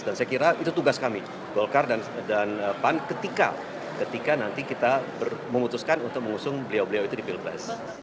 dan saya kira itu tugas kami golkar dan pan ketika nanti kita memutuskan untuk mengusung beliau beliau itu di pilpres